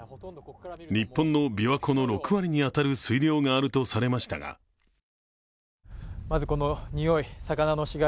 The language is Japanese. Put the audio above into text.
日本の琵琶湖の６割に当たる水量があるとされましたがまずこのにおい、魚の死骸。